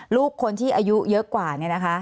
ลูกคนที่อายุเยอะกว่าเนี่ยนะคะ